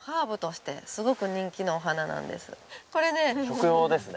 食用ですね。